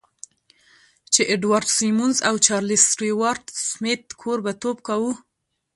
جې اډوارډ سیمونز او چارلیس سټیوارټ سمیت کوربهتوب کاوه